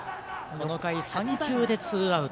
この回、３球でツーアウト。